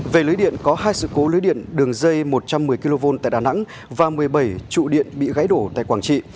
về lưới điện có hai sự cố lưới điện đường dây một trăm một mươi kv tại đà nẵng và một mươi bảy trụ điện bị gãy đổ tại quảng trị